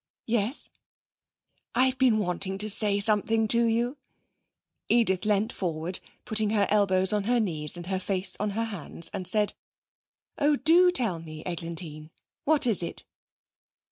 'Yes?' 'I've been wanting to say something to you.' Edith leant forward, putting her elbows on her knees and her face on her hands, and said: 'Oh, do tell me, Eglantine. What is it?'